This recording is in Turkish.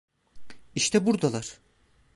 İşte buradalar.